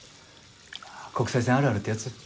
国際線あるあるってやつ？